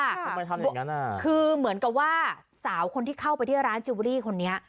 ทำไมทำอย่างนั้นอ่ะคือเหมือนกับว่าสาวคนที่เข้าไปที่ร้านจิลเวอรี่คนนี้